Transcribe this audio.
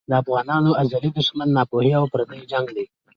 د افغانانو ازلي دښمن ناپوهي او پردی جنګ دی.